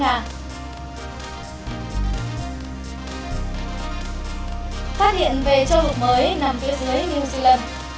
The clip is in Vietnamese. đồng hệ với nga